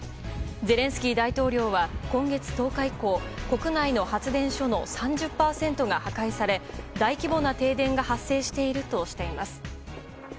ゼレンスキー大統領は今月１０日以降国内の発電所の３０％が破壊され大規模な停電が発生しているとしています。